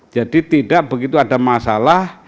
jadi tidak begitu ada masalah